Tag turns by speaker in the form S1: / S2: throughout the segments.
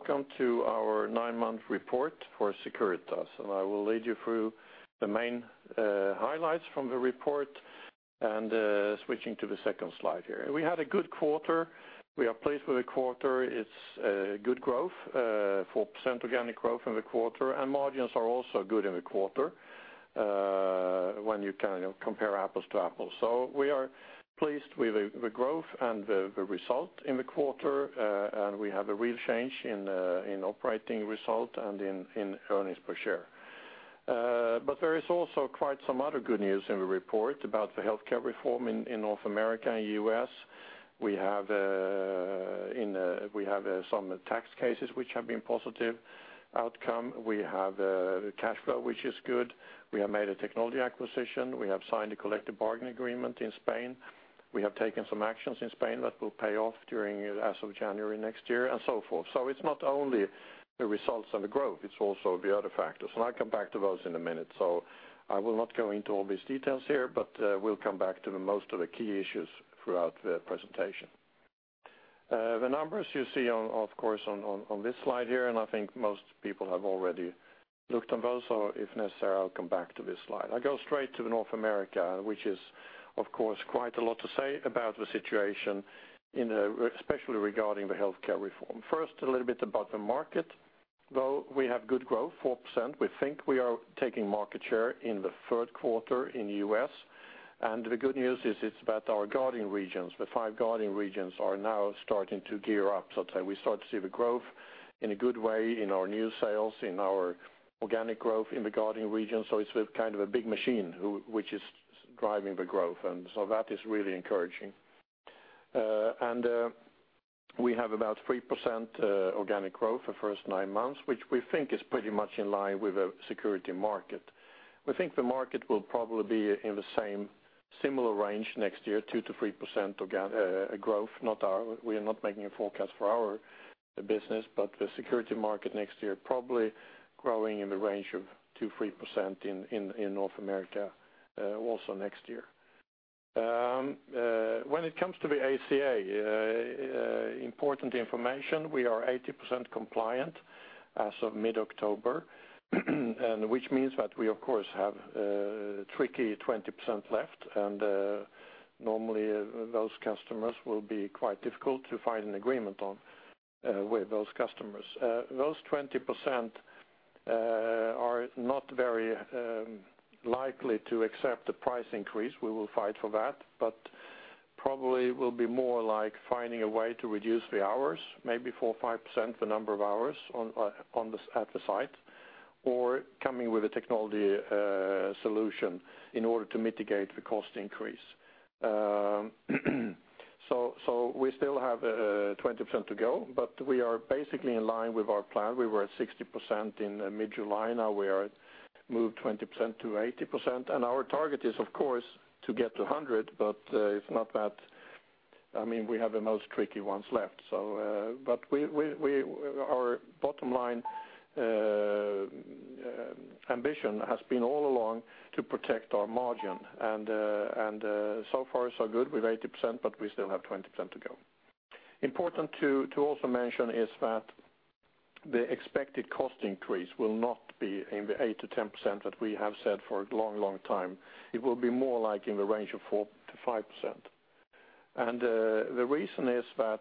S1: Hello, everyone. Very welcome to our nine-month report for Securitas, and I will lead you through the main highlights from the report. Switching to the second slide here. We had a good quarter. We are pleased with the quarter. It's good growth, 4% organic growth in the quarter, and margins are also good in the quarter, when you kind of compare apples to apples. So we are pleased with the growth and the result in the quarter, and we have a real change in operating result and in earnings per share. But there is also quite some other good news in the report about the healthcare reform in North America and U.S. We have some tax cases which have been positive outcome. We have cash flow, which is good. We have made a technology acquisition. We have signed a collective bargaining agreement in Spain. We have taken some actions in Spain that will pay off during as of January next year, and so forth. So it's not only the results and the growth, it's also the other factors, and I'll come back to those in a minute. So I will not go into all these details here, but we'll come back to the most of the key issues throughout the presentation. The numbers you see on, of course, on, on, on this slide here, and I think most people have already looked on those, so if necessary, I'll come back to this slide. I go straight to North America, which is, of course, quite a lot to say about the situation in, especially regarding the healthcare reform. First, a little bit about the market, though we have good growth, 4%, we think we are taking market share in the third quarter in the U.S. And the good news is, it's about our guarding regions. The five guarding regions are now starting to gear up, so to say. We start to see the growth in a good way in our new sales, in our organic growth in the guarding region. So it's kind of a big machine which is driving the growth, and so that is really encouraging. And we have about 3% organic growth the first nine months, which we think is pretty much in line with the security market. We think the market will probably be in the same similar range next year, 2%-3% organic growth. Not ours, we are not making a forecast for our business, but the security market next year probably growing in the range of 2%-3% in North America, also next year. When it comes to the ACA, important information, we are 80% compliant as of mid-October, and which means that we of course have a tricky 20% left, and normally those customers will be quite difficult to find an agreement on with those customers. Those 20% are not very likely to accept the price increase. We will fight for that, but probably will be more like finding a way to reduce the hours, maybe 4%-5%, the number of hours on on the at the site, or coming with a technology solution in order to mitigate the cost increase. So, so we still have 20% to go, but we are basically in line with our plan. We were at 60% in mid-July. Now we are moved 20%-80%, and our target is, of course, to get to 100, but it's not that... I mean, we have the most tricky ones left. So, but our bottom line ambition has been all along to protect our margin, and, and so far, so good. We have 80%, but we still have 20% to go. Important to also mention is that the expected cost increase will not be in the 8%-10% that we have said for a long, long time. It will be more like in the range of 4%-5%. And, the reason is that,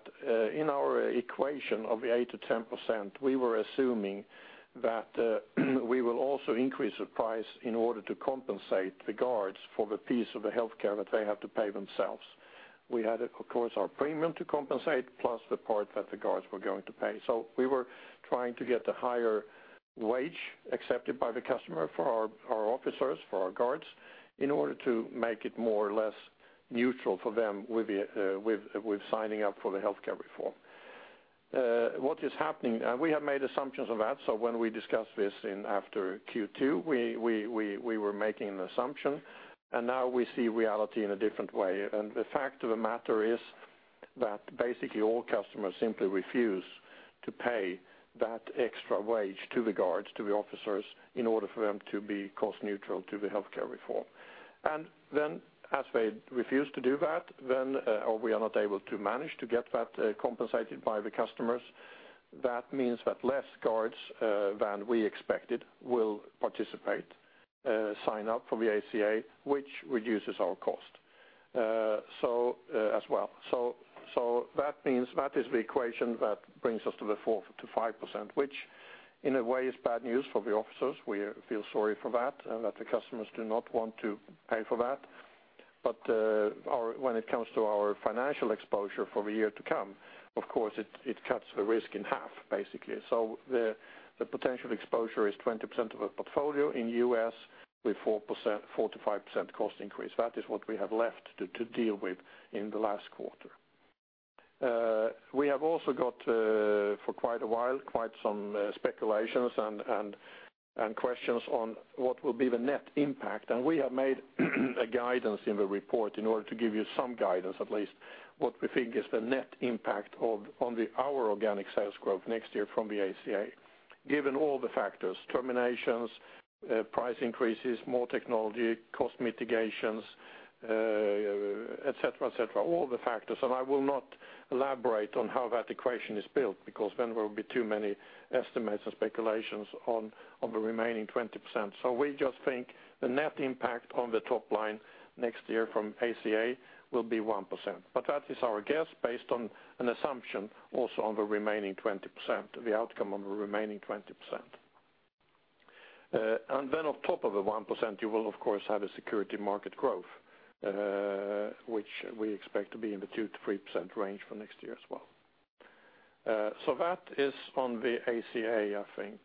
S1: in our equation of the 8%-10%, we were assuming that, we will also increase the price in order to compensate the guards for the piece of the healthcare that they have to pay themselves. We had, of course, our premium to compensate, plus the part that the guards were going to pay. So we were trying to get the higher wage accepted by the customer for our officers, for our guards, in order to make it more or less neutral for them with the signing up for the healthcare reform. What is happening? We have made assumptions of that, so when we discussed this in after Q2, we were making an assumption, and now we see reality in a different way. The fact of the matter is that basically all customers simply refuse to pay that extra wage to the guards, to the officers, in order for them to be cost neutral to the healthcare reform. And then as they refuse to do that, then, or we are not able to manage to get that, compensated by the customers. That means that less guards than we expected will participate, sign up for the ACA, which reduces our cost, so, as well. So that means that is the equation that brings us to the 4%-5%, which in a way, is bad news for the officers. We feel sorry for that, and that the customers do not want to pay for that. Our financial exposure for the year to come, of course, it cuts the risk in half, basically. So the potential exposure is 20% of the portfolio in U.S., with 4%, 4%-5% cost increase. That is what we have left to deal with in the last quarter. We have also got, for quite a while, quite some speculations and questions on what will be the net impact. And we have made a guidance in the report in order to give you some guidance, at least, what we think is the net impact on our organic sales growth next year from the ACA. Given all the factors, terminations, price increases, more technology, cost mitigations, et cetera, et cetera, all the factors, and I will not elaborate on how that equation is built, because then there will be too many estimates and speculations on the remaining 20%. So we just think the net impact on the top line next year from ACA will be 1%. But that is our guess, based on an assumption also on the remaining 20%, the outcome on the remaining 20%. And then on top of the 1%, you will of course have a security market growth, which we expect to be in the 2%-3% range for next year as well. So that is on the ACA, I think.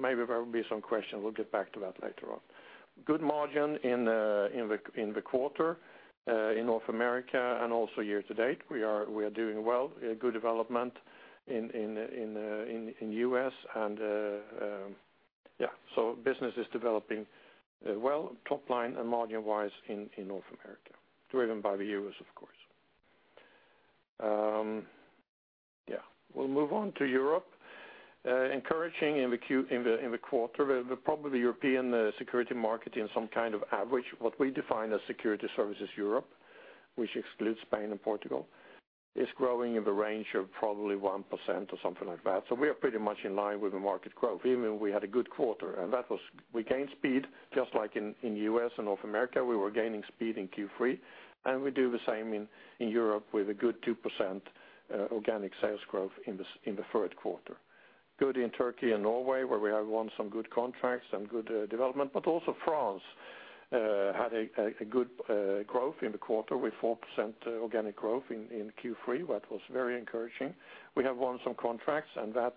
S1: Maybe there will be some questions, we'll get back to that later on. Good margin in the quarter in North America, and also year to date. We are doing well, good development in U.S. and, so business is developing well, top line and margin-wise in North America, driven by the U.S., of course. Yeah. We'll move on to Europe. Encouraging in the quarter, the probably European security market in some kind of average, what we define as Security Services Europe, which excludes Spain and Portugal, is growing in the range of probably 1% or something like that. So we are pretty much in line with the market growth, even we had a good quarter, and that was we gained speed, just like in U.S. and North America, we were gaining speed in Q3, and we do the same in Europe with a good 2% organic sales growth in the third quarter. Good in Turkey and Norway, where we have won some good contracts and good development, but also France had a good growth in the quarter with 4% organic growth in Q3. That was very encouraging. We have won some contracts and that,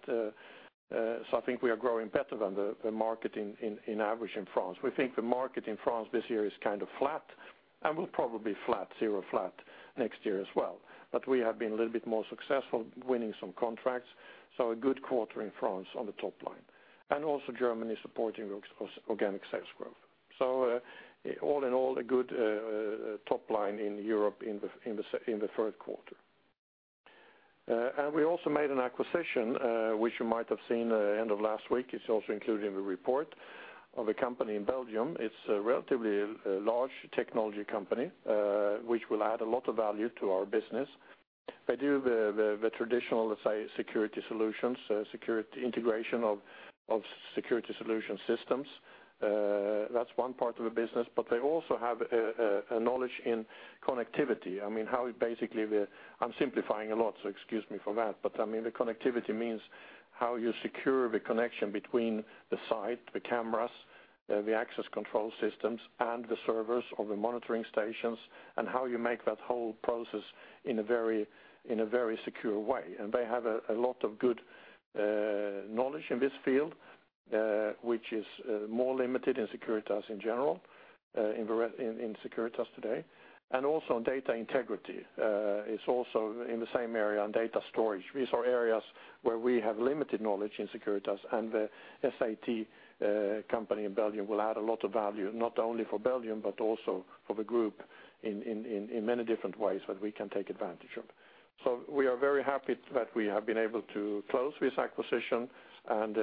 S1: so I think we are growing better than the market in average in France. We think the market in France this year is kind of flat, and will probably be flat, zero flat next year as well. But we have been a little bit more successful winning some contracts, so a good quarter in France on the top line. And also Germany supporting organic sales growth. So, all in all, a good top line in Europe in the third quarter. And we also made an acquisition, which you might have seen, end of last week. It's also included in the report of a company in Belgium. It's a relatively large technology company, which will add a lot of value to our business. They do the traditional, let's say, security solutions, security integration of security solution systems. That's one part of the business, but they also have a knowledge in connectivity. I mean, how basically the—I'm simplifying a lot, so excuse me for that. But, I mean, the connectivity means how you secure the connection between the site, the cameras, the access control systems, and the servers or the monitoring stations, and how you make that whole process in a very, in a very secure way. And they have a lot of good knowledge in this field, which is more limited in Securitas in general, in Securitas today, and also on data integrity. It's also in the same area on data storage. These are areas where we have limited knowledge in Securitas, and the SAIT company in Belgium will add a lot of value, not only for Belgium, but also for the group in many different ways that we can take advantage of. So we are very happy that we have been able to close this acquisition, and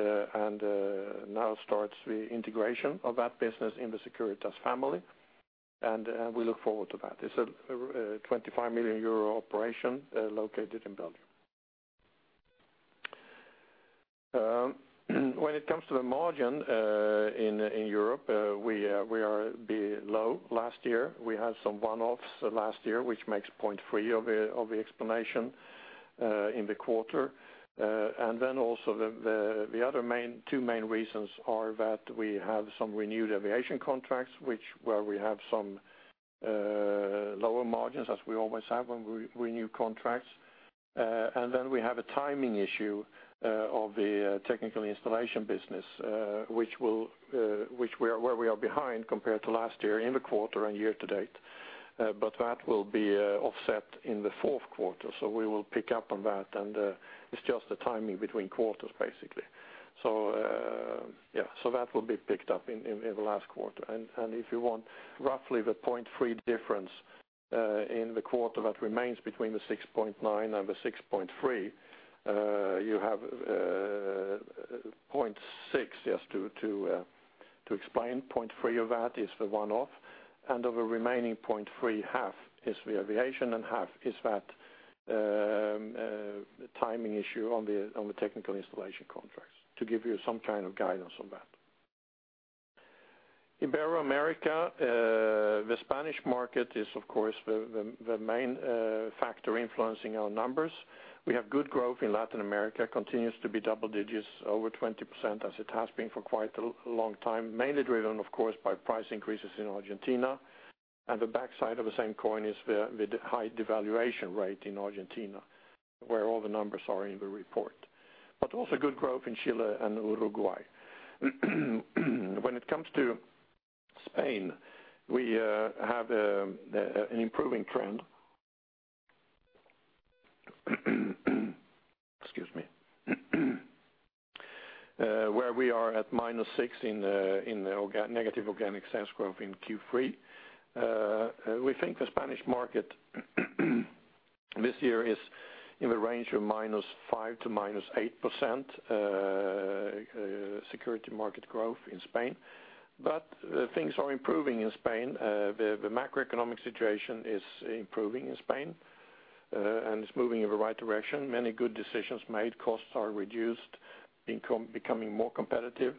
S1: now starts the integration of that business in the Securitas family, and we look forward to that. It's a 25 million euro operation located in Belgium. When it comes to the margin in Europe, we are a bit low. Last year, we had some one-offs last year, which makes 0.3 of the explanation in the quarter. And then also the other two main reasons are that we have some renewed aviation contracts, where we have some lower margins, as we always have when we renew contracts. And then we have a timing issue of the technical installation business, where we are behind compared to last year in the quarter and year to date. But that will be offset in the fourth quarter, so we will pick up on that, and it's just the timing between quarters, basically. So that will be picked up in the last quarter. If you want, roughly the 0.3 difference in the quarter that remains between the 6.9 and the 6.3, you have 0.6, just to explain. 0.3 of that is the one-off, and of the remaining 0.3, half is the aviation and half is that timing issue on the technical installation contracts, to give you some kind of guidance on that. In Ibero-America, the Spanish market is, of course, the main factor influencing our numbers. We have good growth in Latin America, continues to be double digits, over 20%, as it has been for quite a long time. Mainly driven, of course, by price increases in Argentina, and the backside of the same coin is the high devaluation rate in Argentina, where all the numbers are in the report. But also good growth in Chile and Uruguay. When it comes to Spain, we have an improving trend. Excuse me. Where we are at -6% in the negative organic sales growth in Q3. We think the Spanish market this year is in the range of -5% to -8%, security market growth in Spain, but things are improving in Spain. The macroeconomic situation is improving in Spain, and it's moving in the right direction. Many good decisions made, costs are reduced, becoming more competitive.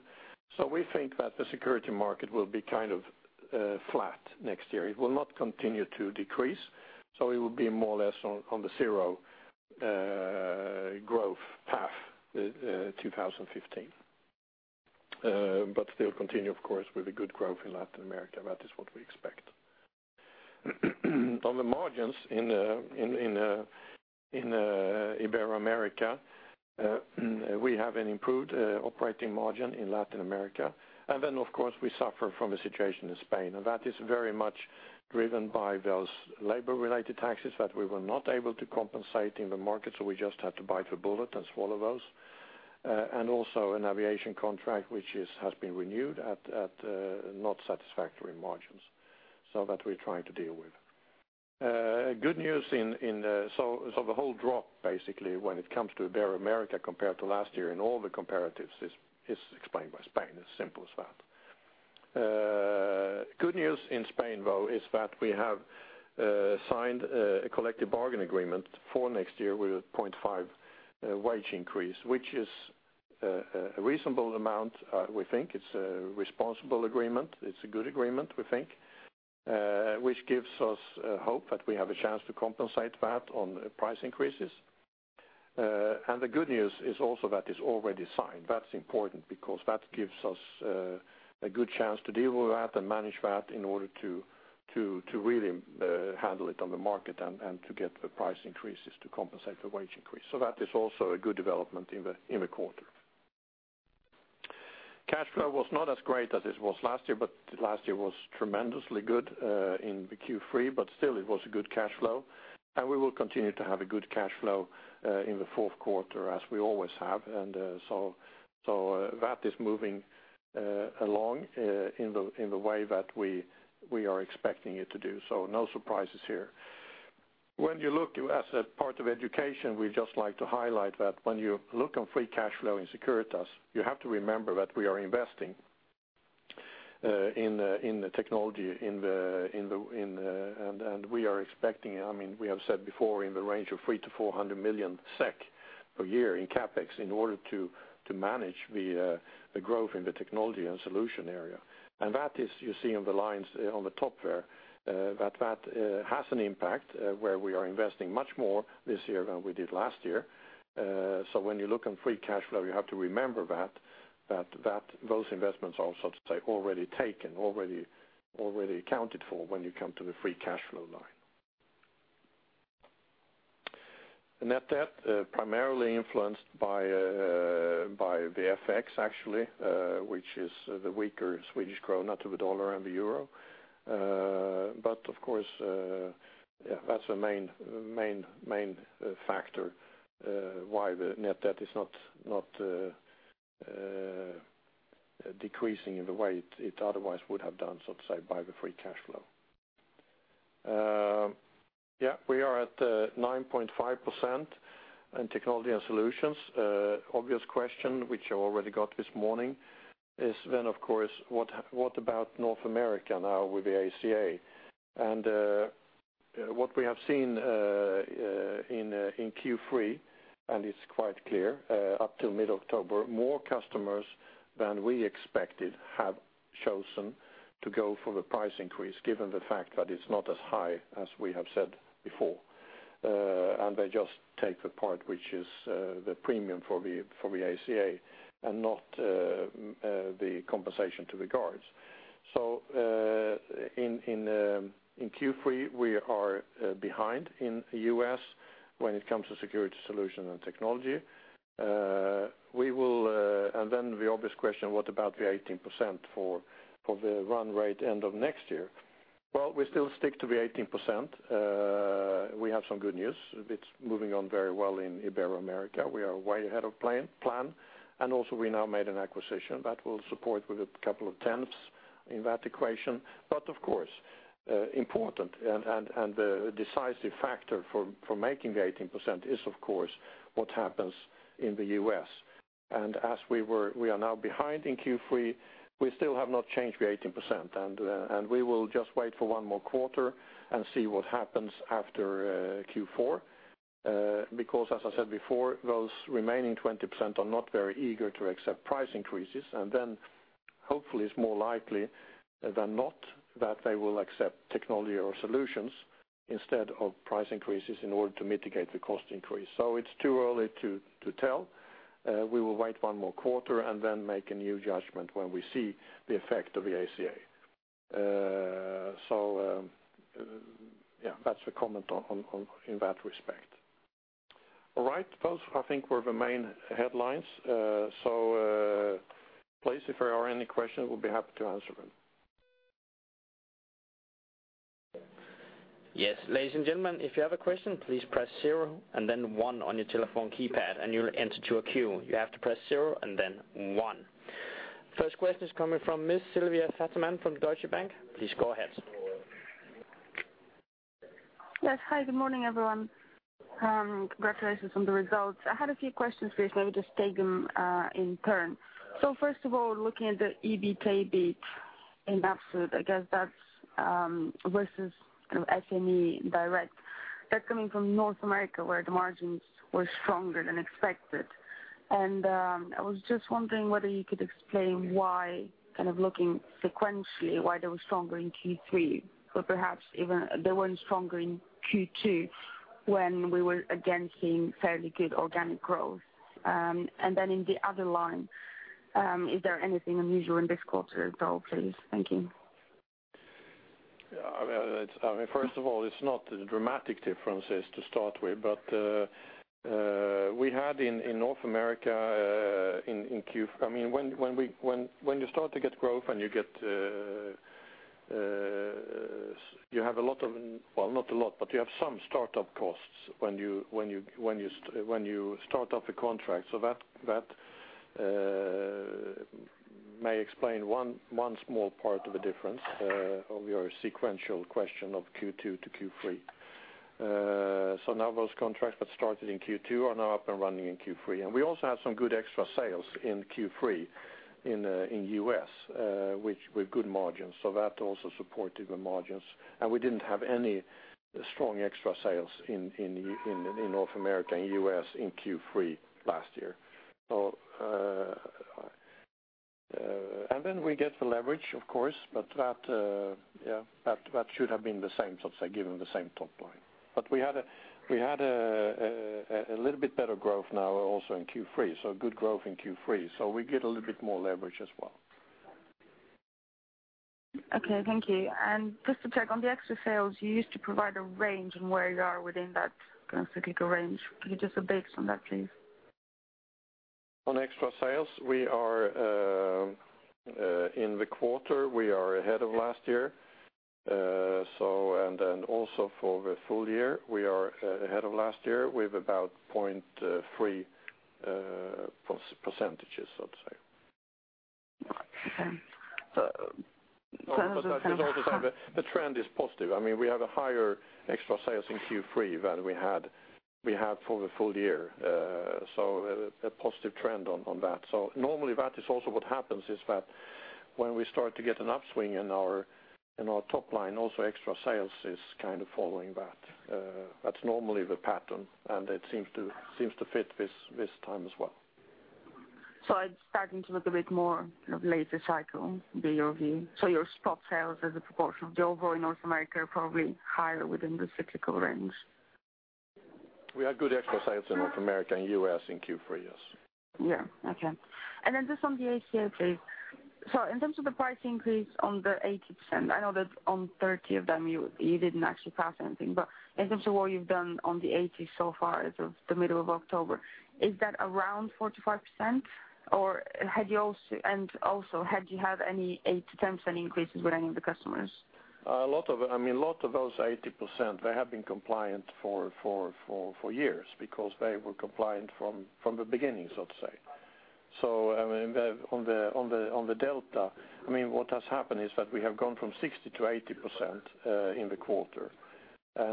S1: So we think that the security market will be kind of flat next year. It will not continue to decrease, so it will be more or less on the zero growth path in 2015. But still continue, of course, with a good growth in Latin America, that is what we expect. On the margins in Ibero-America, we have an improved operating margin in Latin America, and then, of course, we suffer from the situation in Spain, and that is very much driven by those labor-related taxes that we were not able to compensate in the market, so we just had to bite the bullet and swallow those. And also an aviation contract, which has been renewed at not satisfactory margins, so that we're trying to deal with. Good news in... So the whole drop, basically, when it comes to Ibero-America, compared to last year and all the comparatives, is explained by Spain, as simple as that. Good news in Spain, though, is that we have signed a collective bargaining agreement for next year with a 0.5 wage increase, which is a reasonable amount. We think it's a responsible agreement. It's a good agreement, we think, which gives us hope that we have a chance to compensate that on price increases. And the good news is also that it's already signed. That's important because that gives us a good chance to deal with that and manage that in order to really handle it on the market and to get the price increases to compensate the wage increase. So that is also a good development in the quarter. Cash flow was not as great as it was last year, but last year was tremendously good in the Q3, but still it was a good cash flow, and we will continue to have a good cash flow in the fourth quarter, as we always have. So that is moving along in the way that we are expecting it to do, so no surprises here. When you look as a part of education, we just like to highlight that when you look on free cash flow in Securitas, you have to remember that we are investing in the technology... And we are expecting, I mean, we have said before, in the range of 300 million-400 million SEK per year in CapEx, in order to manage the growth in the technology and solution area. And that is, you see in the lines on the top there, that has an impact, where we are investing much more this year than we did last year. So when you look on free cash flow, you have to remember that those investments are, so to say, already taken, already accounted for when you come to the free cash flow line. The net debt primarily influenced by the FX, actually, which is the weaker Swedish krona to the dollar and the euro. But of course, yeah, that's the main, main, main factor why the net debt is not, not decreasing in the way it, it otherwise would have done, so to say, by the free cash flow. Yeah, we are at 9.5% in Technology and Solutions. Obvious question, which I already got this morning, is then, of course, what about North America now with the ACA? And what we have seen in Q3, and it's quite clear, up to mid-October, more customers than we expected have chosen to go for the price increase, given the fact that it's not as high as we have said before. And they just take the part, which is the premium for the ACA and not the compensation to the guards. So, in Q3, we are behind in the U.S. when it comes to Security Solutions and Technology. And then the obvious question, what about the 18% for the run rate end of next year? Well, we still stick to the 18%. We have some good news. It's moving on very well in Iberoamérica. We are way ahead of plan, and also we now made an acquisition that will support with a couple of tenths in that equation. But of course, important and decisive factor for making the 18% is, of course, what happens in the U.S. And as we were, we are now behind in Q3, we still have not changed the 18%. We will just wait for one more quarter and see what happens after Q4. Because as I said before, those remaining 20% are not very eager to accept price increases, and then hopefully, it's more likely than not, that they will accept technology or solutions instead of price increases in order to mitigate the cost increase. So it's too early to tell. We will wait one more quarter and then make a new judgment when we see the effect of the ACA. Yeah, that's the comment on in that respect. All right, those, I think, were the main headlines. Please, if there are any questions, we'll be happy to answer them.
S2: Yes. Ladies and gentlemen, if you have a question, please press zero and then one on your telephone keypad, and you'll enter to a queue. You have to press zero and then one. First question is coming from Miss Sylvia Barker from Deutsche Bank. Please go ahead.
S3: Yes. Hi, good morning, everyone. Congratulations on the results. I had a few questions for you, so let me just take them in turn. So first of all, looking at the EBITA beat in absolute, I guess that's versus kind of SME Direkt. That's coming from North America, where the margins were stronger than expected. I was just wondering whether you could explain why, kind of looking sequentially, why they were stronger in Q3, but perhaps even they weren't stronger in Q2 when we were again seeing fairly good organic growth. And then in the other line, is there anything unusual in this quarter at all, please? Thank you.
S1: Yeah, I mean, first of all, it's not a dramatic differences to start with, but we had in North America. I mean, when we, when you start to get growth and you get, you have a lot of, well, not a lot, but you have some start-up costs when you start up a contract. So that may explain one small part of the difference of your sequential question of Q2 to Q3. So now those contracts that started in Q2 are now up and running in Q3, and we also have some good extra sales in Q3 in U.S., which with good margins, so that also supported the margins. We didn't have any strong extra sales in North America, in U.S., in Q3 last year. So, and then we get the leverage, of course, but that, yeah, that should have been the same, so to say, given the same top line. But we had a little bit better growth now also in Q3, so good growth in Q3, so we get a little bit more leverage as well.
S3: Okay, thank you. Just to check, on the extra sales, you used to provide a range on where you are within that kind of cyclical range. Can you just update us on that, please?
S1: On extra sales, we are in the quarter ahead of last year. So and then also for the full year, we are ahead of last year with about 0.3%, so to say.
S3: Okay.
S1: But the trend is positive. I mean, we have a higher extra sales in Q3 than we had for the full year. So a positive trend on that. So normally, that is also what happens is that when we start to get an upswing in our top line, also extra sales is kind of following that. That's normally the pattern, and it seems to fit this time as well.
S3: So it's starting to look a bit more like a later cycle, in your view. So your spot sales as a proportion of the overall in North America are probably higher within the cyclical range?
S1: We had good extra sales in North America and U.S. in Q3, yes.
S3: Yeah. Okay. Then just on the ACA, please. So in terms of the price increase on the 80%, I know that on 30 of them, you didn't actually pass anything. But in terms of what you've done on the 80 so far, as of the middle of October, is that around 4%-5%? Or had you also, and also, had you have any 8%-10% increases with any of the customers?
S1: A lot of, I mean, a lot of those 80%, they have been compliant for years because they were compliant from the beginning, so to say. So, I mean, the delta, I mean, what has happened is that we have gone from 60% -80% in the quarter. So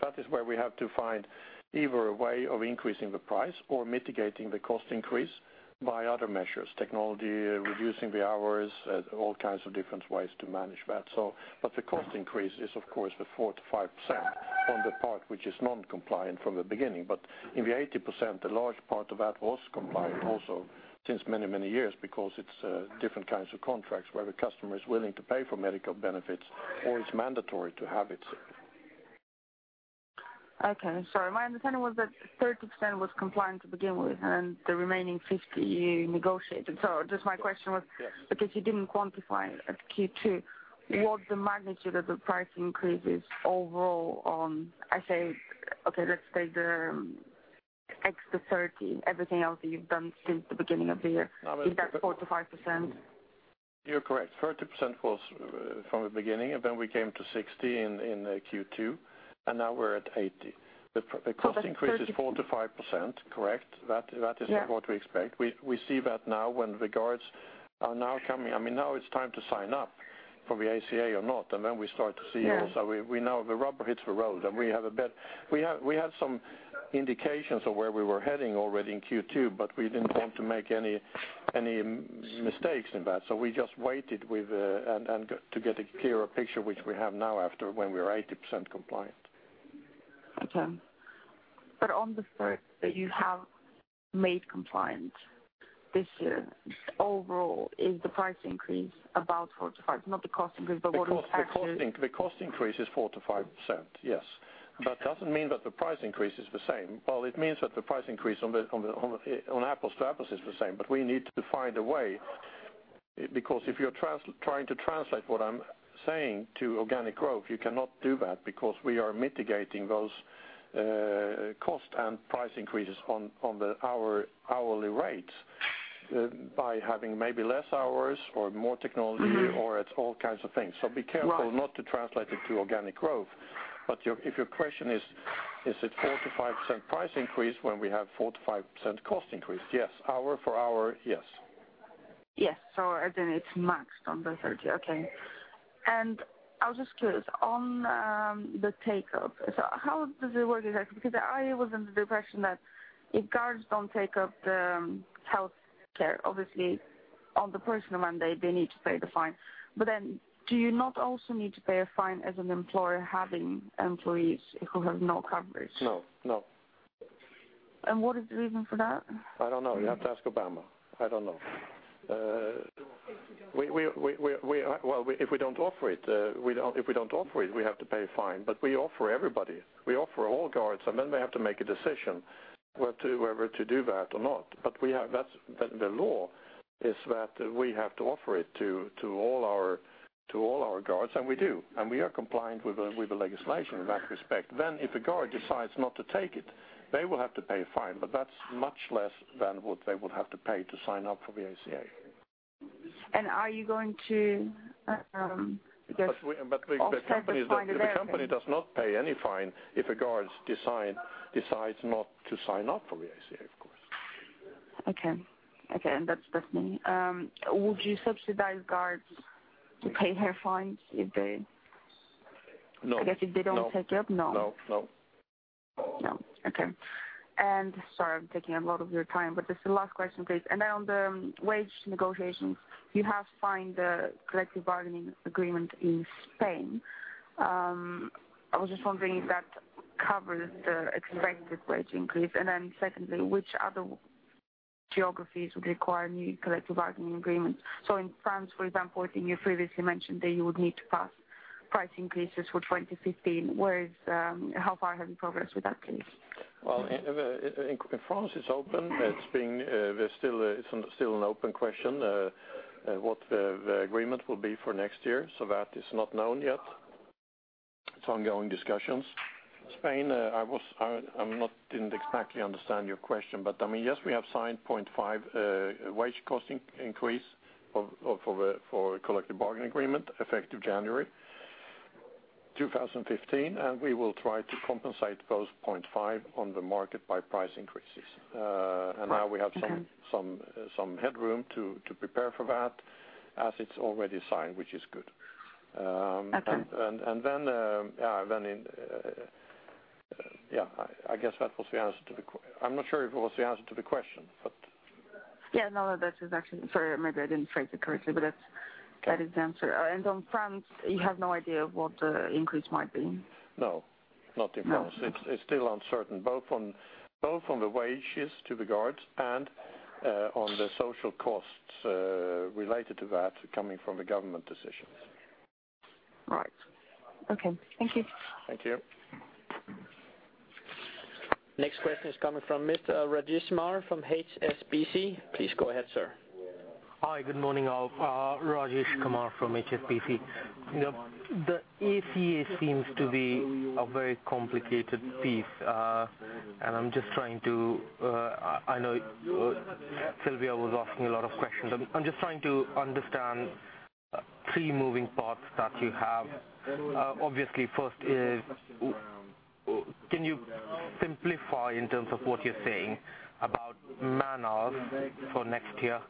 S1: that is where we have to find either a way of increasing the price or mitigating the cost increase by other measures, technology, reducing the hours, all kinds of different ways to manage that. So, but the cost increase is, of course, the 4%-5% on the part which is non-compliant from the beginning. But in the 80%, a large part of that was compliant also since many, many years because it's different kinds of contracts where the customer is willing to pay for medical benefits or it's mandatory to have it.
S3: Okay, sorry. My understanding was that 30% was compliant to begin with, and the remaining 50, you negotiated. So just my question was, because you didn't quantify it at Q2, what the magnitude of the price increase is overall on, I say, okay, let's take the extra 30, everything else that you've done since the beginning of the year. Is that 4%-5%?
S1: You're correct. 30% was from the beginning, and then we came to 60% in Q2, and now we're at 80%.
S3: Got it.
S1: The cost increase is 4%-5%, correct. That is-
S3: Yeah
S1: what we expect. We see that now when the guards are now coming. I mean, now it's time to sign up for the ACA or not, and then we start to see it.
S3: Yeah.
S1: So we now, the rubber hits the road, and we had some indications of where we were heading already in Q2, but we didn't want to make any mistakes in that. So we just waited with, and to get a clearer picture, which we have now after when we are 80% compliant.
S3: Okay. But on the 30 that you have made compliant this year, overall, is the price increase about 4%-5%? Not the cost increase, but what you actually-
S1: The cost, the cost increase is 4%-5%, yes.
S3: Okay.
S1: But doesn't mean that the price increase is the same. Well, it means that the price increase on the apples to apples is the same, but we need to find a way to— Because if you're trying to translate what I'm saying to organic growth, you cannot do that because we are mitigating those cost and price increases on the hourly rates by having maybe less hours or more technology or it's all kinds of things. So be careful—
S3: Right.
S1: Not to translate it to organic growth. But if your question is, is it 4%-5% price increase when we have 4%-5% cost increase? Yes. Hour for hour, yes.
S3: Yes. So then it's maxed on the 30. Okay. And I was just curious, on the take-up, so how does it work exactly? Because I was under the impression that if guards don't take up the health care, obviously, on the personal mandate, they need to pay the fine. But then do you not also need to pay a fine as an employer having employees who have no coverage?
S1: No, no.
S3: What is the reason for that?
S1: I don't know. You have to ask Obama. I don't know. We are—Well, if we don't offer it, we have to pay a fine, but we offer everybody. We offer all guards, and then they have to make a decision whether to do that or not. But we have. That's the law is that we have to offer it to all our guards, and we do. And we are compliant with the legislation in that respect. Then if a guard decides not to take it, they will have to pay a fine, but that's much less than what they would have to pay to sign up for the ACA.
S3: Are you going to?
S1: But the company-
S3: Offer to find the company?
S1: The company does not pay any fine if the guards decide not to sign up for the ACA, of course.
S3: Okay. Okay, and that's, that's me. Would you subsidize guards to pay their fines if they-
S1: No.
S3: I guess, if they don't take it up, no?
S1: No. No.
S3: No. Okay. Sorry, I'm taking a lot of your time, but this is the last question, please. Then on the wage negotiations, you have signed the collective bargaining agreement in Spain. I was just wondering if that covers the expected wage increase. Then secondly, which other geographies would require new collective bargaining agreements? So in France, for example, I think you previously mentioned that you would need to pass price increases for 2015. How far have you progressed with that, please?
S1: Well, in France, it's open. It's being, there's still a, still an open question what the agreement will be for next year, so that is not known yet. It's ongoing discussions. Spain, I was... I, I'm not—didn't exactly understand your question, but, I mean, yes, we have signed 0.5 wage cost increase of for the collective bargaining agreement, effective January 2015, and we will try to compensate those 0.5 on the market by price increases.
S3: Right. Okay.
S1: Now we have some headroom to prepare for that as it's already signed, which is good.
S3: Okay.
S1: Then, yeah, then in... Yeah, I guess that was the answer to the question. I'm not sure if it was the answer to the question, but-
S3: Yeah, no, that is actually... Sorry, maybe I didn't phrase it correctly, but that's-
S1: Okay.
S3: That is the answer. On France, you have no idea of what the increase might be?
S1: No, not in France.
S3: No.
S1: It's, it's still uncertain, both on, both on the wages to the guards and, on the social costs, related to that coming from the government decisions.
S3: Right. Okay. Thank you.
S1: Thank you.
S2: Next question is coming from Mr. Rajesh Kumar from HSBC. Please go ahead, sir.
S4: Hi, good morning, all. Rajesh Kumar from HSBC. You know, the ACA seems to be a very complicated piece, and I'm just trying to... I know, Sylvia was asking a lot of questions. I'm just trying to understand three moving parts that you have. Obviously, first is, can you simplify in terms of what you're saying about man hours for next year,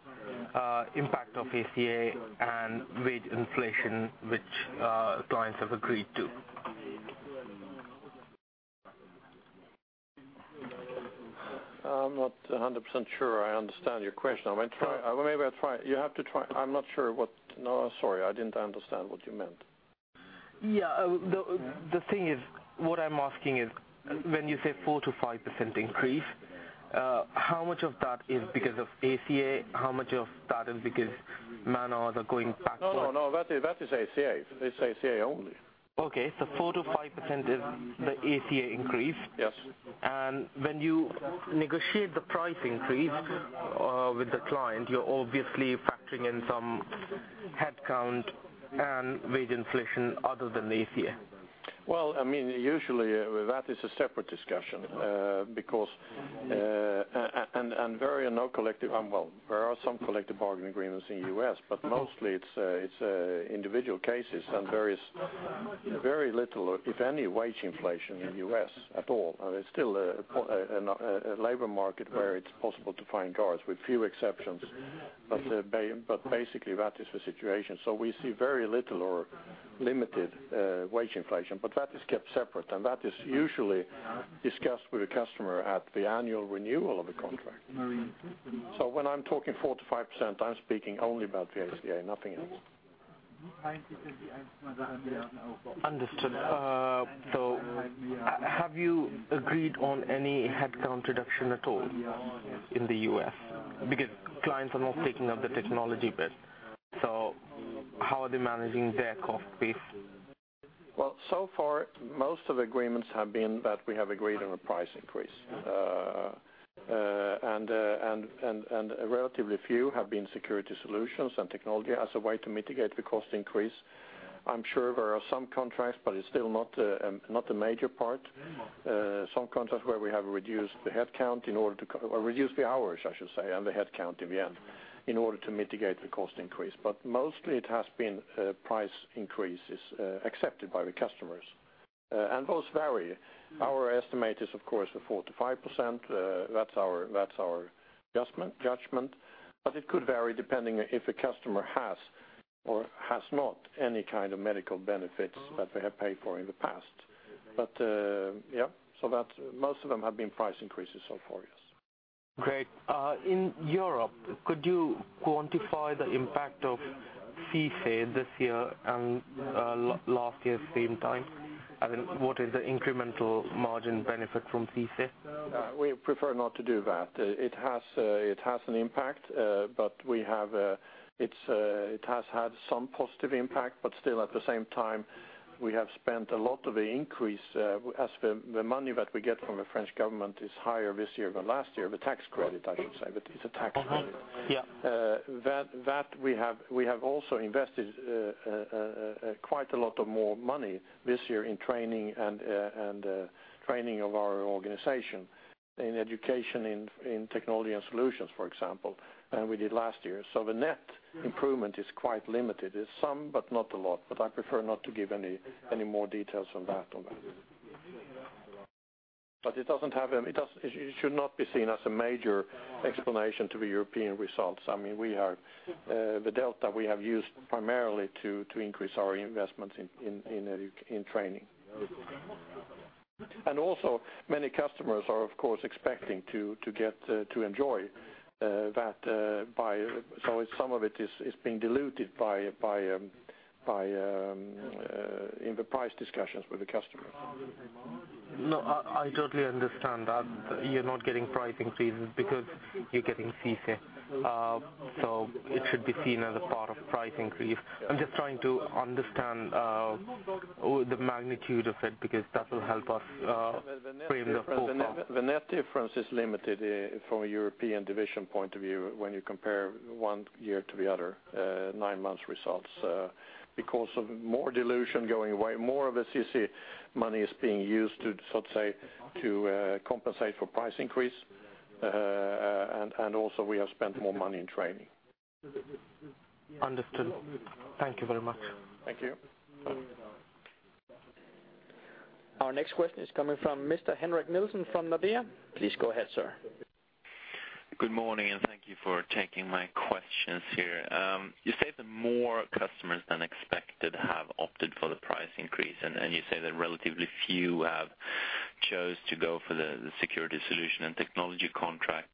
S4: impact of ACA and wage inflation, which clients have agreed to?
S1: I'm not 100% sure I understand your question. I might try-
S4: Well-
S1: Maybe I'll try... You have to try... I'm not sure what... No, sorry, I didn't understand what you meant.
S4: Yeah, the thing is, what I'm asking is, when you say 4%-5% increase, how much of that is because of ACA? How much of that is because man hours are going backward?
S1: No, no, that is, that is ACA. It's ACA only.
S4: Okay, so 4%-5% is the ACA increase?
S1: Yes.
S4: When you negotiate the price increase with the client, you're obviously factoring in some headcount and wage inflation other than the ACA.
S1: Well, I mean, usually that is a separate discussion, because there are some collective bargaining agreements in U.S., but mostly it's individual cases and very little, if any, wage inflation in U.S. at all. And it's still a labor market where it's possible to find guards, with few exceptions. But basically, that is the situation. So we see very little or limited wage inflation, but that is kept separate, and that is usually discussed with the customer at the annual renewal of the contract. So when I'm talking 4%-5%, I'm speaking only about the ACA, nothing else.
S4: Understood. So have you agreed on any headcount reduction at all in the U.S.? Because clients are not taking up the technology bit, so how are they managing their cost base?
S1: Well, so far, most of the agreements have been that we have agreed on a price increase. A relatively few have been security solutions and technology as a way to mitigate the cost increase. I'm sure there are some contracts, but it's still not a major part. Some contracts where we have reduced the headcount in order to or reduce the hours, I should say, and the headcount in the end, in order to mitigate the cost increase. But mostly it has been price increases accepted by the customers, and those vary. Our estimate is, of course, 4%-5%. That's our judgment, but it could vary depending if a customer has or has not any kind of medical benefits that they have paid for in the past. Yeah, so that's most of them have been price increases so far, yes.
S4: Great. In Europe, could you quantify the impact of CICE this year and last year's same time? I mean, what is the incremental margin benefit from CICE?
S1: We prefer not to do that. It has an impact, but it has had some positive impact, but still at the same time, we have spent a lot of the increase, as the money that we get from the French government is higher this year than last year, the tax credit, I should say, but it's a tax credit.
S4: Mm-hmm. Yeah.
S1: That we have also invested quite a lot more money this year in training and training of our organization, in education, in Technology and Solutions, for example, than we did last year. So the net improvement is quite limited. It's some, but not a lot, but I prefer not to give any more details on that. But it should not be seen as a major explanation to the European results. I mean, the delta we have used primarily to increase our investments in training. Also, many customers are, of course, expecting to get to enjoy that. So some of it is being diluted in the price discussions with the customers.
S4: No, I, I totally understand that you're not getting price increases because you're getting CICE. So it should be seen as a part of price increase. I'm just trying to understand the magnitude of it, because that will help us frame the full cost.
S1: The net difference is limited, from a European division point of view, when you compare one year to the other nine months results, because of more dilution going away. More of the CICE money is being used to, so to say, to compensate for price increase, and also we have spent more money in training.
S4: Understood. Thank you very much.
S1: Thank you.
S2: Our next question is coming from Mr. Henrik Nilsson from Nordea. Please go ahead, sir.
S5: Good morning, and thank you for taking my questions here. You say that more customers than expected have opted for the price increase, and, and you say that relatively few have chose to go for the, the security solution and technology contract.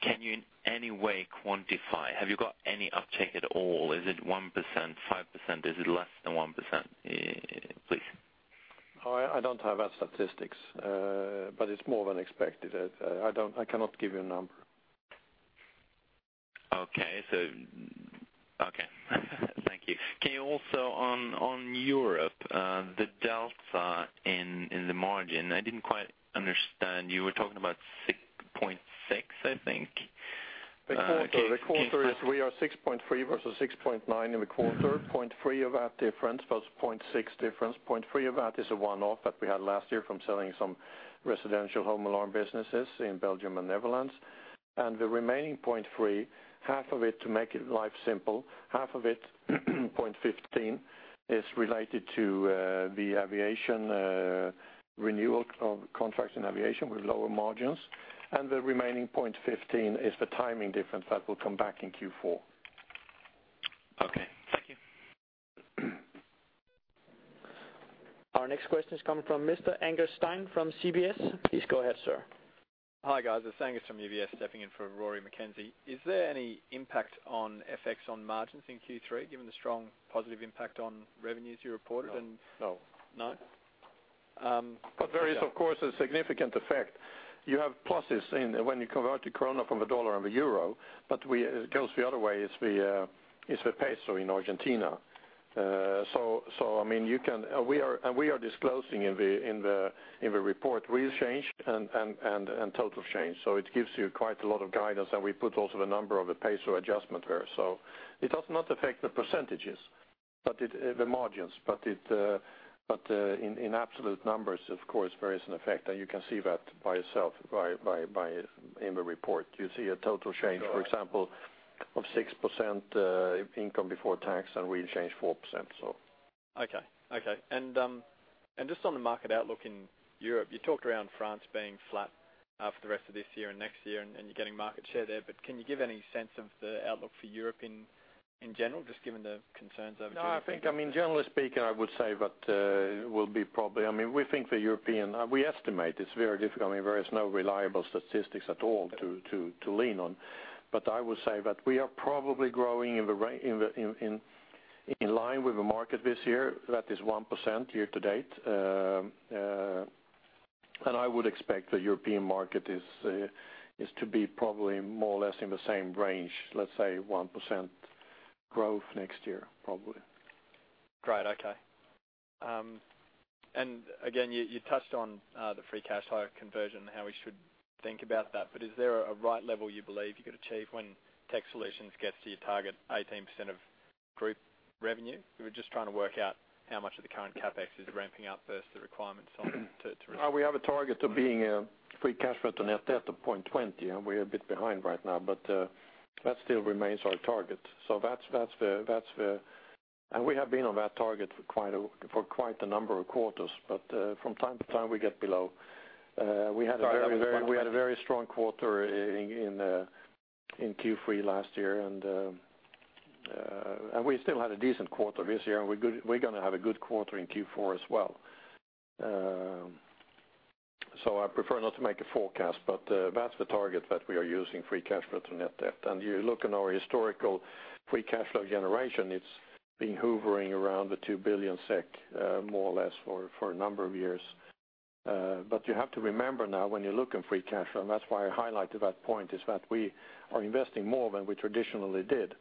S5: Can you in any way quantify? Have you got any uptake at all? Is it 1%, 5%? Is it less than 1%, please?
S1: I don't have that statistics, but it's more than expected. I cannot give you a number.
S5: Okay. So, okay. Thank you. Can you also on Europe, the delta in the margin, I didn't quite understand. You were talking about 6.6, I think?
S1: The quarter, the quarter is we are 6.3 versus 6.9 in the quarter, 0.3 of that difference, plus 0.6 difference. 0.3 of that is a one-off that we had last year from selling some residential home alarm businesses in Belgium and Netherlands. And the remaining 0.3, half of it, to make life simple, half of it, 0.15, is related to the aviation renewal of contracts in aviation with lower margins. And the remaining 0.15 is the timing difference that will come back in Q4.
S5: Okay, thank you.
S2: Our next question is coming from Mr. Angus Stein from UBS. Please go ahead, sir.
S6: Hi, guys. It's Angus from UBS, stepping in for Rory Mckenzie. Is there any impact on effects on margins in Q3, given the strong positive impact on revenues you reported and-
S1: No.
S6: No? Um.
S1: But there is, of course, a significant effect. You have pluses in when you convert the krona from the U.S. dollar and the euro, but it goes the other way, is the peso in Argentina. So, I mean, you can... We are, and we are disclosing in the report underlying change and total change. So it gives you quite a lot of guidance, and we put also the number of the peso adjustment there. So it does not affect the percentages, but it, the margins, but it, but, in absolute numbers, of course, there is an effect, and you can see that by yourself, by in the report. You see a total change, for example, of 6% income before tax, and underlying change 4%, so.
S6: Okay. Okay, and, and just on the market outlook in Europe, you talked around France being flat, for the rest of this year and next year, and, and you're getting market share there, but can you give any sense of the outlook for Europe in, in general, just given the concerns over-
S1: No, I think, I mean, generally speaking, I would say that, we'll be probably. I mean, we think the European, we estimate, it's very difficult. I mean, there is no reliable statistics at all to lean on. But I would say that we are probably growing in line with the market this year. That is 1% year to date. And I would expect the European market is to be probably more or less in the same range, let's say 1% growth next year, probably.
S6: Great. Okay. And again, you, you touched on the free cash flow conversion and how we should think about that, but is there a right level you believe you could achieve when tech solutions gets to your target 18% of group revenue? We're just trying to work out how much of the current CapEx is ramping up versus the requirements on to, to-
S1: We have a target of being free cash flow to net debt of 0.20, and we're a bit behind right now, but that still remains our target. So that's the- and we have been on that target for quite a number of quarters, but from time to time, we get below. We had a very strong quarter in Q3 last year, and we still had a decent quarter this year, and we're gonna have a good quarter in Q4 as well. So I prefer not to make a forecast, but that's the target that we are using, free cash flow to net debt. You look in our historical free cash flow generation, it's been hovering around 2 billion SEK, more or less, for a number of years. But you have to remember now, when you look in free cash flow, and that's why I highlighted that point, is that we are investing more than we traditionally did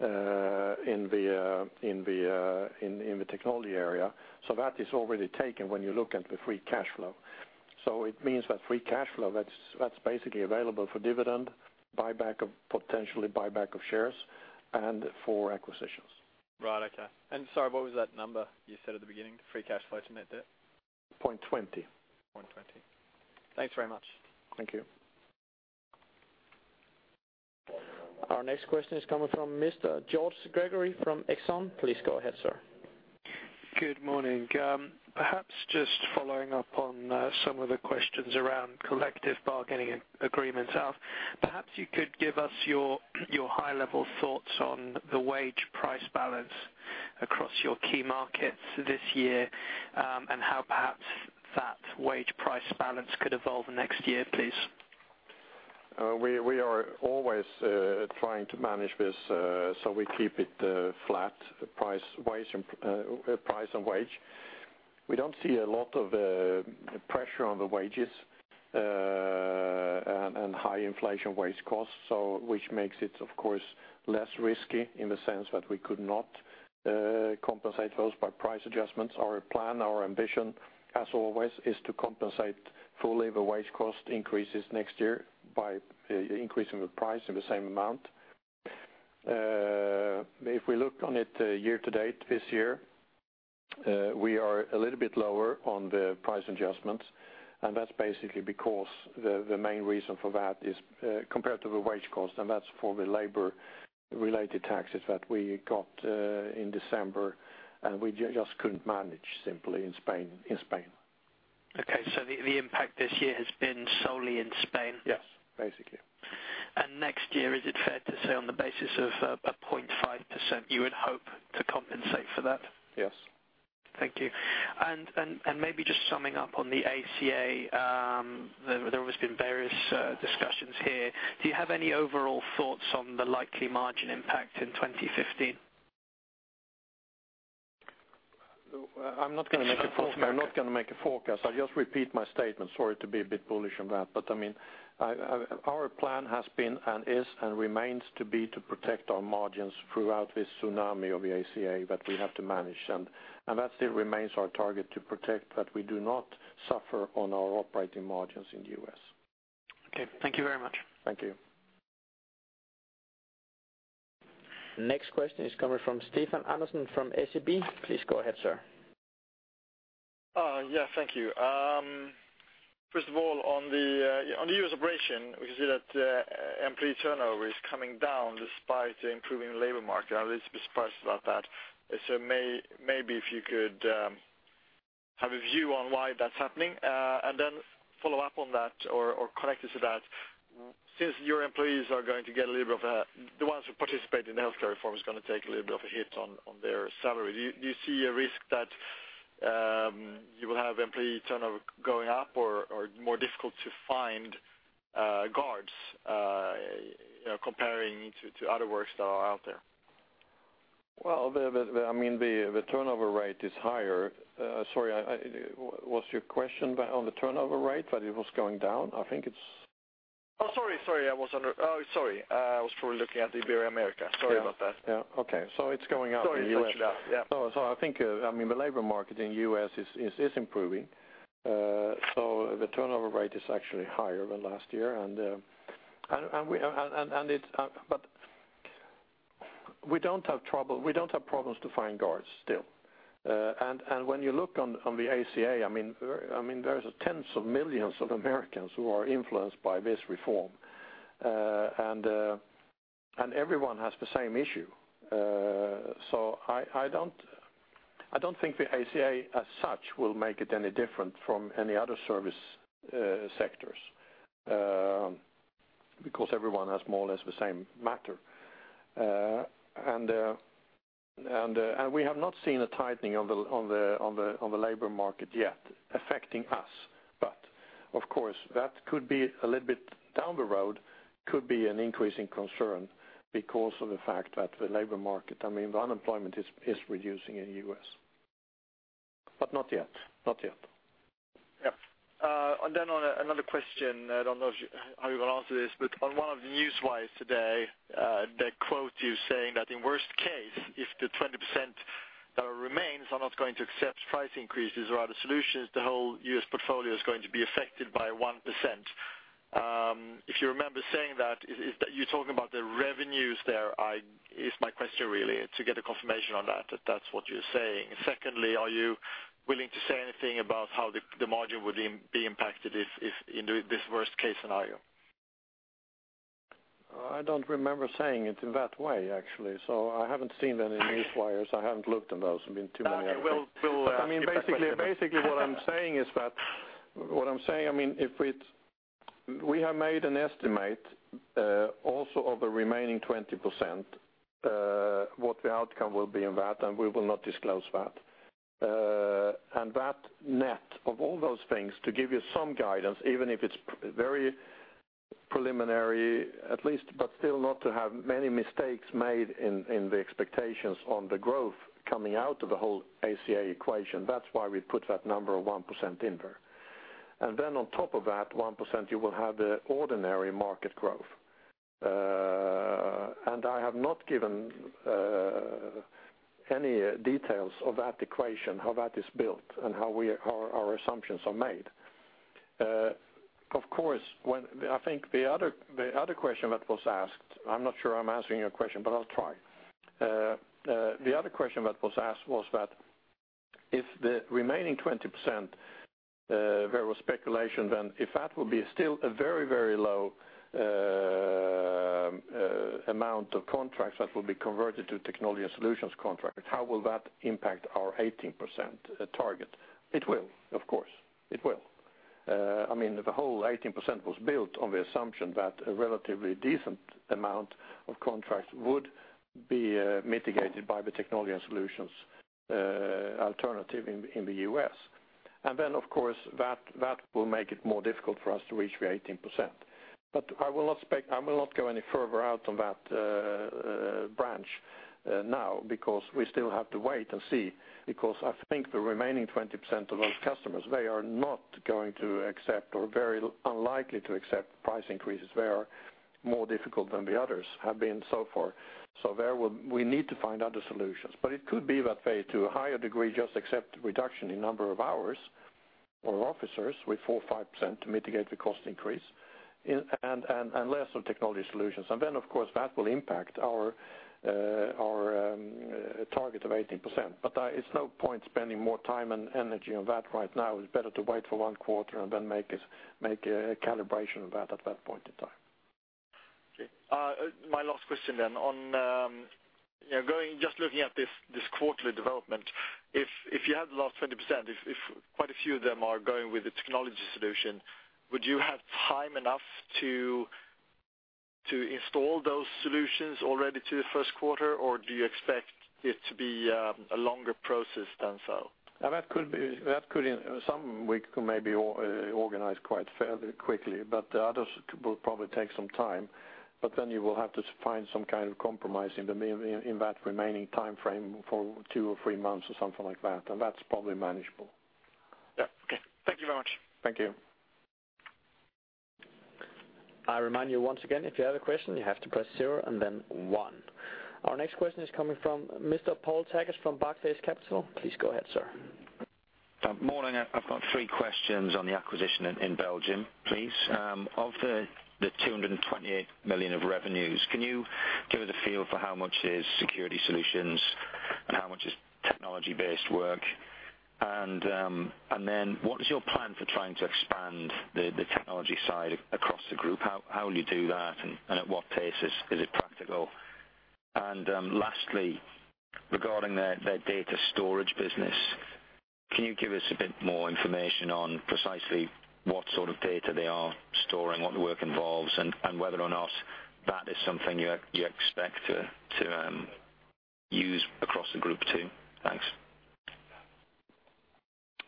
S1: in the technology area. So that is already taken when you look at the free cash flow. So it means that free cash flow, that's basically available for dividend, potentially buyback of shares, and for acquisitions.
S6: Right. Okay. Sorry, what was that number you said at the beginning, the Free Cash Flow to Net Debt?
S1: 0.20.
S6: 0.20. Thanks very much.
S1: Thank you.
S2: Our next question is coming from Mr. George Gregory from Exane. Please go ahead, sir.
S7: Good morning. Perhaps just following up on some of the questions around collective bargaining agreements, Alf, perhaps you could give us your, your high-level thoughts on the wage-price balance across your key markets this year, and how perhaps that wage-price balance could evolve next year, please?
S1: We are always trying to manage this, so we keep it flat, price, wage, and price and wage. We don't see a lot of pressure on the wages and high inflation wage costs, so which makes it, of course, less risky in the sense that we could not compensate those by price adjustments. Our plan, our ambition, as always, is to compensate full labor wage cost increases next year by increasing the price in the same amount. If we look on it year to date this year, we are a little bit lower on the price adjustments, and that's basically because the main reason for that is compared to the wage cost, and that's for the labor-related taxes that we got in December, and we just couldn't manage simply in Spain, in Spain.
S7: Okay, so the impact this year has been solely in Spain?
S1: Yes, basically.
S7: Next year, is it fair to say on the basis of 0.5%, you would hope to compensate for that?
S1: Yes.
S7: Thank you. Maybe just summing up on the ACA, there has been various discussions here. Do you have any overall thoughts on the likely margin impact in 2015?
S1: I'm not gonna make a forecast. I'm not gonna make a forecast. I'll just repeat my statement. Sorry to be a bit bullish on that, but, I mean, I, our plan has been and is and remains to be to protect our margins throughout this tsunami of the ACA, but we have to manage them. That still remains our target, to protect that we do not suffer on our operating margins in the U.S.
S7: Okay. Thank you very much.
S1: Thank you.
S2: Next question is coming from Stefan Andersson from SEB. Please go ahead, sir.
S8: Yeah, thank you. First of all, on the U.S. operation, we can see that employee turnover is coming down despite the improving labor market. I was surprised about that. So maybe if you could have a view on why that's happening, and then follow up on that or connected to that, since your employees are going to get a little bit of a... The ones who participate in healthcare reform is gonna take a little bit of a hit on their salary. Do you see a risk that you will have employee turnover going up or more difficult to find guards, you know, comparing to other works that are out there?
S1: Well, I mean, the turnover rate is higher. Sorry, was your question about on the turnover rate, but it was going down? I think it's-
S8: Oh, sorry, sorry. Oh, sorry. I was probably looking at the Iberia America. Sorry about that.
S1: Yeah. Okay. So it's going up in the U.S.
S8: Sorry, it's actually up. Yeah.
S1: So I think, I mean, the labor market in the U.S. is improving. So the turnover rate is actually higher than last year. And we don't have trouble, we don't have problems to find guards still. And when you look on the ACA, I mean, there's tens of millions of Americans who are influenced by this reform, and everyone has the same issue. So I don't think the ACA, as such, will make it any different from any other service sectors, because everyone has more or less the same matter. We have not seen a tightening on the labor market yet affecting us, but. Of course, that could be a little bit down the road, could be an increasing concern because of the fact that the labor market, I mean, the unemployment is reducing in the U.S. But not yet, not yet.
S8: Yeah. And then on another question, I don't know if you how you're going to answer this, but on one of the news wires today, they quote you saying that in worst case, if the 20% that remains are not going to accept price increases or other solutions, the whole U.S. portfolio is going to be affected by 1%. If you remember saying that, is that you're talking about the revenues there? Is my question really, to get a confirmation on that, that that's what you're saying. Secondly, are you willing to say anything about how the margin would be impacted if in this worst case scenario?
S1: I don't remember saying it in that way, actually. I haven't seen any news wires. I haven't looked at those, been too many.
S8: Well, we'll
S1: But I mean, basically, what I'm saying is that what I'm saying, I mean, if it's... We have made an estimate, also of the remaining 20%, what the outcome will be in that, and we will not disclose that. And that net of all those things, to give you some guidance, even if it's very preliminary, at least, but still not to have many mistakes made in the expectations on the growth coming out of the whole ACA equation, that's why we put that number of 1% in there. And then on top of that 1%, you will have the ordinary market growth. And I have not given any details of that equation, how that is built and how we, how our assumptions are made. Of course, I think the other, the other question that was asked, I'm not sure I'm answering your question, but I'll try. The other question that was asked was that if the remaining 20%, there was speculation, then if that will be still a very, very low amount of contracts that will be converted to Technology and Solutions contracts, how will that impact our 18% target? It will, of course, it will. I mean, the whole 18% was built on the assumption that a relatively decent amount of contracts would be mitigated by the Technology and Solutions alternative in the U.S. And then, of course, that will make it more difficult for us to reach the 18%. But I will not go any further out on that branch now, because we still have to wait and see, because I think the remaining 20% of those customers, they are not going to accept or very unlikely to accept price increases. They are more difficult than the others have been so far. So there we'll need to find other solutions. But it could be that they, to a higher degree, just accept reduction in number of hours or officers with 4%-5% to mitigate the cost increase and less of technology solutions. And then, of course, that will impact our target of 18%. But it's no point spending more time and energy on that right now. It's better to wait for one quarter and then make a calibration of that at that point in time.
S8: Okay. My last question then. On, you know, going, just looking at this, this quarterly development, if you had the last 20%, if quite a few of them are going with the technology solution, would you have time enough to install those solutions already to the first quarter, or do you expect it to be a longer process than so?
S1: That could be, that could in some weeks, maybe, or, organize quite fairly quickly, but the others will probably take some time. But then you will have to find some kind of compromise in the main, in that remaining time frame for two or three months or something like that, and that's probably manageable.
S8: Yeah. Okay. Thank you very much.
S1: Thank you.
S2: I remind you once again, if you have a question, you have to press zero and then one. Our next question is coming from Mr. Paul Checketts from Barclays Capital. Please go ahead, sir.
S9: Morning. I've got three questions on the acquisition in Belgium, please. Of the 228 million of revenues, can you give us a feel for how much is security solutions and how much is technology-based work? And then what is your plan for trying to expand the technology side across the group? How will you do that, and at what pace is it practical? And lastly, regarding their data storage business, can you give us a bit more information on precisely what sort of data they are storing, what the work involves, and whether or not that is something you expect to use across the group, too?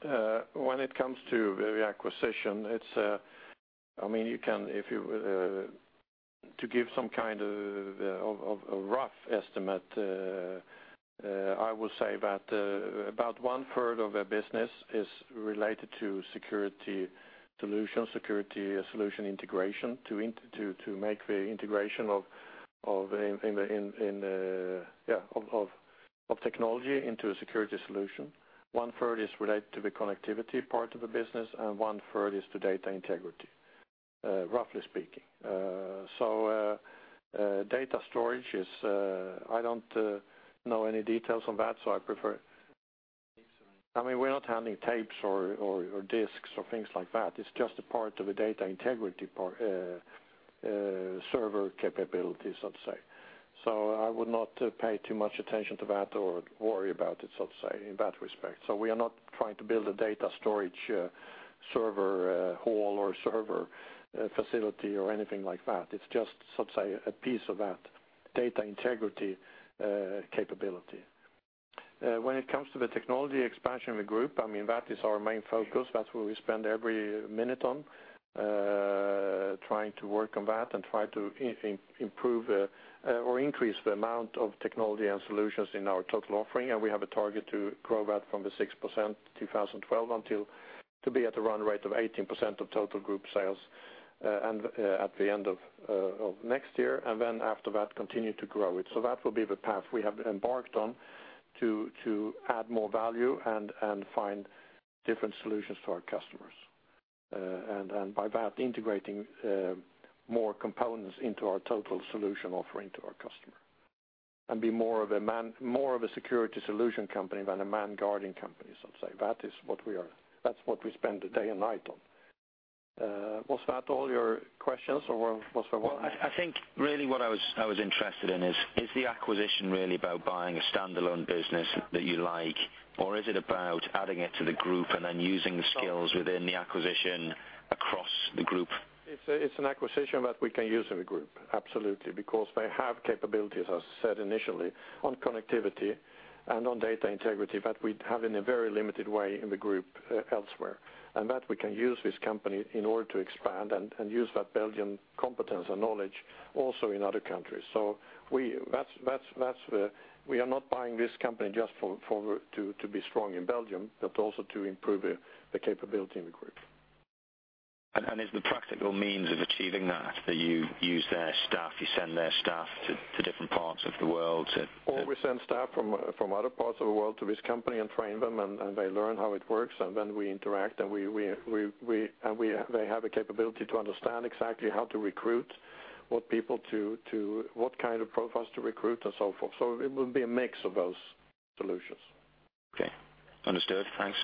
S9: Thanks.
S1: When it comes to the acquisition, it's, I mean, you can if you to give some kind of a rough estimate, I will say that about one-third of their business is related to security solutions, security solution integration, to make the integration of technology into a security solution. One-third is related to the connectivity part of the business, and one-third is to data integrity, roughly speaking. So, data storage is, I don't know any details on that, so I mean, we're not having tapes or disks or things like that. It's just a part of the data integrity part, server capabilities, I'll say. So I would not pay too much attention to that or worry about it, I'll say, in that respect. So we are not trying to build a data storage, server, hall or server, facility or anything like that. It's just, let's say, a piece of that data integrity, capability... when it comes to the technology expansion of the group, I mean, that is our main focus. That's where we spend every minute on, trying to work on that and try to improve, or increase the amount of Technology and Solutions in our total offering. And we have a target to grow that from the 6%, 2012, until to be at the run rate of 18% of total group sales, and at the end of, of next year, and then after that, continue to grow it. So that will be the path we have embarked on to add more value and find different solutions to our customers. By that, integrating more components into our total solution offering to our customer, and be more of a man, more of a security solution company than a manned guarding company, so to say. That is what we are, that's what we spend the day and night on. Was that all your questions, or was there one?
S9: Well, I think really what I was interested in is the acquisition really about buying a standalone business that you like, or is it about adding it to the group and then using the skills within the acquisition across the group?
S1: It's an acquisition that we can use in the group, absolutely, because they have capabilities, as I said initially, on connectivity and on data integrity, that we have in a very limited way in the group elsewhere. And that we can use this company in order to expand and use that Belgian competence and knowledge also in other countries. So that's the... We are not buying this company just to be strong in Belgium, but also to improve the capability in the group.
S9: And is the practical means of achieving that you use their staff, you send their staff to different parts of the world to-
S1: Or we send staff from other parts of the world to this company and train them, and they learn how it works, and then we interact, and they have a capability to understand exactly how to recruit what people to what kind of profiles to recruit and so forth. So it will be a mix of those solutions.
S9: Okay, understood. Thanks.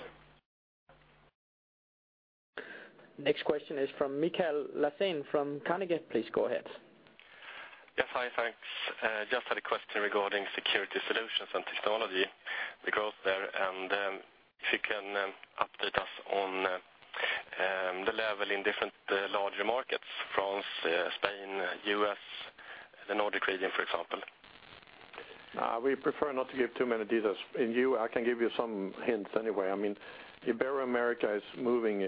S2: Next question is from Mikael Laséen, from Carnegie. Please go ahead.
S10: Yes. Hi, thanks. Just had a question regarding Security Solutions and Technology, the growth there, and if you can update us on the level in different larger markets, France, Spain, U.S., the Nordic region, for example?
S1: We prefer not to give too many details. In EU, I can give you some hints anyway. I mean, Ibero-America is moving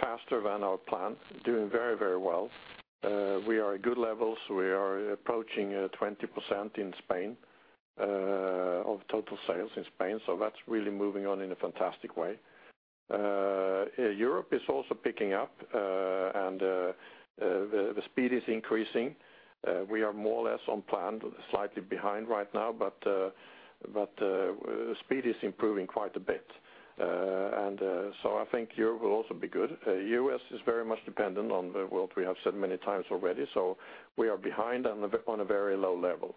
S1: faster than our plan, doing very, very well. We are at good levels. We are approaching 20% in Spain of total sales in Spain, so that's really moving on in a fantastic way. Europe is also picking up, and the speed is increasing. We are more or less on plan, slightly behind right now, but speed is improving quite a bit. So I think Europe will also be good. U.S. is very much dependent on the world, we have said many times already, so we are behind on a very low level.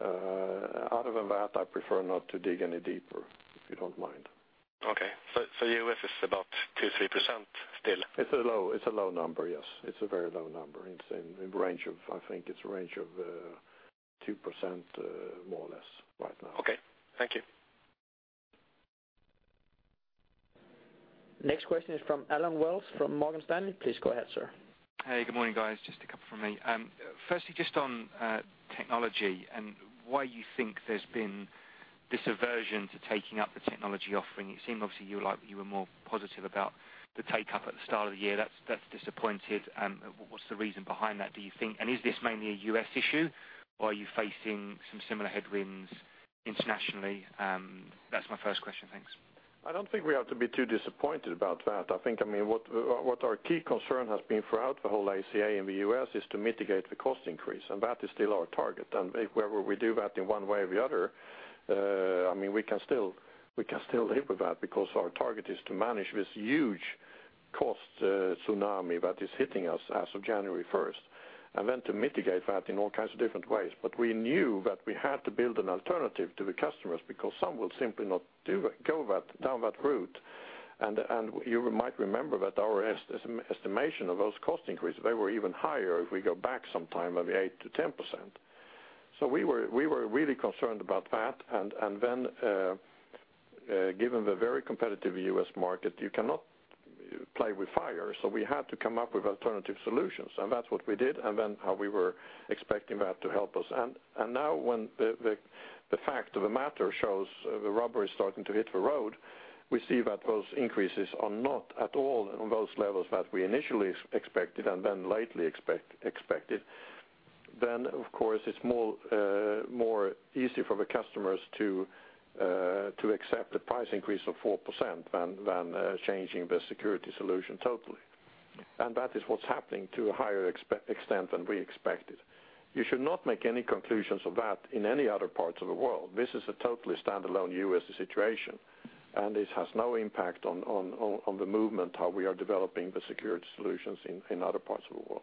S1: Other than that, I prefer not to dig any deeper, if you don't mind.
S10: Okay. So, U.S. is about 2%-3% still?
S1: It's a low, it's a low number, yes. It's a very low number. It's in range of, I think it's a range of, 2%, more or less right now.
S10: Okay. Thank you.
S2: Next question is from Allen Wells, from Morgan Stanley. Please go ahead, sir.
S11: Hey, good morning, guys. Just a couple from me. Firstly, just on technology and why you think there's been this aversion to taking up the technology offering. It seemed obviously you, like, you were more positive about the take-up at the start of the year. That's, that's disappointed. What's the reason behind that, do you think? And is this mainly a U.S. issue, or are you facing some similar headwinds internationally? That's my first question. Thanks.
S1: I don't think we have to be too disappointed about that. I think, I mean, what our key concern has been throughout the whole ACA in the U.S. is to mitigate the cost increase, and that is still our target. And whether we do that in one way or the other, I mean, we can still live with that because our target is to manage this huge cost tsunami that is hitting us as of January first, and then to mitigate that in all kinds of different ways. But we knew that we had to build an alternative to the customers because some will simply not do that, go down that route. And you might remember that our estimation of those cost increases, they were even higher if we go back some time, maybe 8%-10%. So we were really concerned about that. Then, given the very competitive U.S. market, you cannot play with fire, so we had to come up with alternative solutions, and that's what we did, and then how we were expecting that to help us. And now when the fact of the matter shows the rubber is starting to hit the road, we see that those increases are not at all on those levels that we initially expected and then lately expected. Then, of course, it's more easy for the customers to accept a price increase of 4% than changing the security solution totally. And that is what's happening to a higher extent than we expected. You should not make any conclusions of that in any other parts of the world. This is a totally standalone U.S. situation, and this has no impact on the movement, how we are developing the security solutions in other parts of the world.